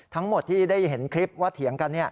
ทั้งหมดที่ได้เห็นคลิปว่าเถียงกัน